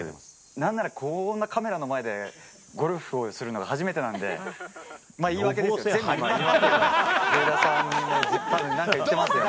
なんならこんなカメラの前でゴルフをするのが初めてなんで、言い訳ですよ。